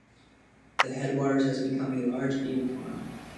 The headwaters has become a large beaver pond.